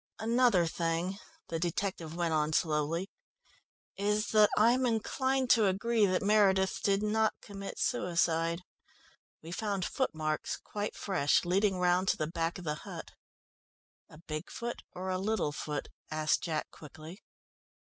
"Another thing," the detective went on slowly, "is that I'm inclined to agree that Meredith did not commit suicide. We found footmarks, quite fresh, leading round to the back of the hut." "A big foot or a little foot?" asked Jack quickly.